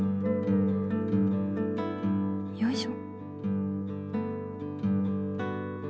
よいしょ。